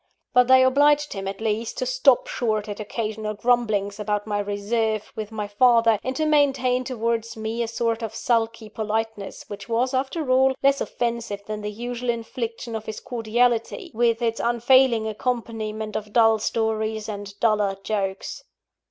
But they obliged him, at least, to stop short at occasional grumblings about my reserve with my father, and to maintain towards me a sort of sulky politeness, which was, after all, less offensive than the usual infliction of his cordiality, with its unfailing accompaniment of dull stories and duller jokes.